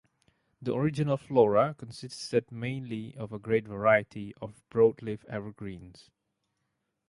The original flora consisted mainly of a great variety of broadleaf evergreens.